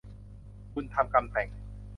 บุญทำกรรมแต่ง